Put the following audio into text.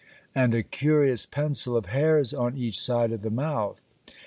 24, 2), and a curious pencil of hairs on each side of the mouth.